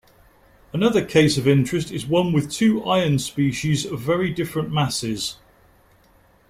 Another case of interest is one with two ion species of very different masses.